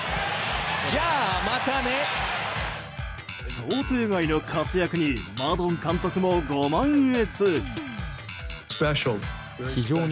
想定外の活躍にマドン監督もご満悦。